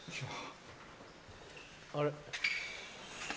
あれ？